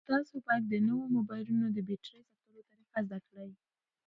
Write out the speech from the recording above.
تاسو باید د نویو موبایلونو د بېټرۍ ساتلو طریقه زده کړئ.